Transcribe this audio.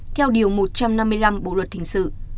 theo điều một trăm năm mươi năm bộ luật hình sự